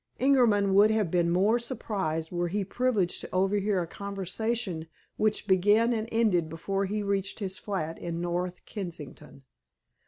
Ingerman would have been more than surprised were he privileged to overhear a conversation which began and ended before he reached his flat in North Kensington.